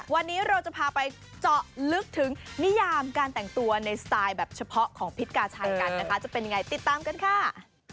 วันนี้เราจะพาไปเจาะลึกถึงนิยามการแต่งตัวในสไตล์แบบเฉพาะของพิษกาชัยกันนะคะจะเป็นยังไงติดตามกันค่ะ